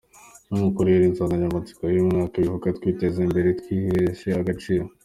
Nk’uko rero insanganyamatsiko y’uyu mwaka ibivuga "Twiteze imbere twiheshe agaciro".